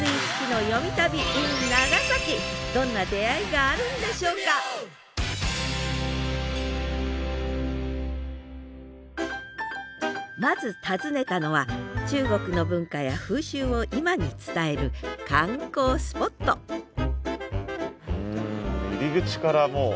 どんな出会いがあるんでしょうかまず訪ねたのは中国の文化や風習を今に伝える観光スポットうん入り口からもう中国感が。